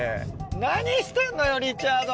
何してんのよリチャード！